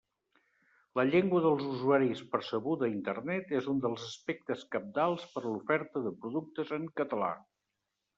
La llengua dels usuaris percebuda a Internet és un dels aspectes cabdals per a l'oferta de productes en català.